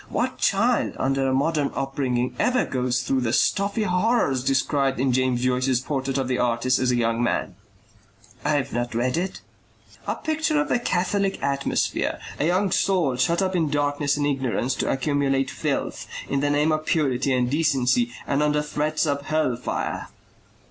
What child under a modern upbringing ever goes through the stuffy horrors described in James Joyce's PORTRAIT OF THE ARTIST AS A YOUNG MAN." "I've not read it." "A picture of the Catholic atmosphere; a young soul shut up in darkness and ignorance to accumulate filth. In the name of purity and decency and under threats of hell fire."